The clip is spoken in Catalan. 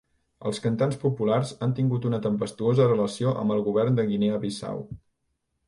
Els cantants populars han tingut una tempestuosa relació amb el govern de Guinea Bissau.